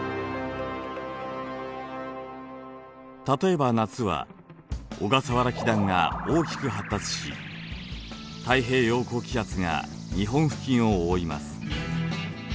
例えば夏は小笠原気団が大きく発達し太平洋高気圧が日本付近を覆います。